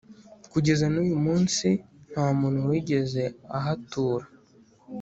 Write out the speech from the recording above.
Kugeza n uyu munsi nta muntu wigeze ahatura